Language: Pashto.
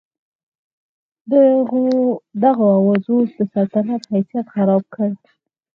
دغو اوازو د سلطنت حیثیت خراب کړ.